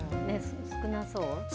少なそう。